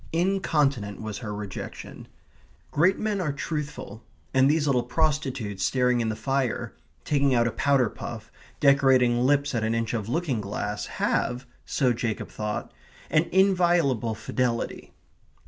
Incontinent was her rejection. Great men are truthful, and these little prostitutes, staring in the fire, taking out a powder puff, decorating lips at an inch of looking glass, have (so Jacob thought) an inviolable fidelity.